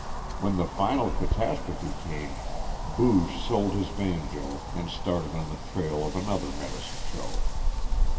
When the final catastrophe came, Booge sold his banjo and started on the trail of another medicine show.